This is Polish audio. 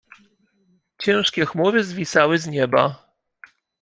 Ciężkie chmury zwisały z nieba.